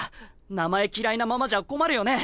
名前嫌いなままじゃ困るよね！？